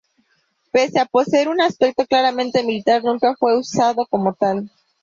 Pese a poseer un aspecto claramente militar, nunca fue usado como tal.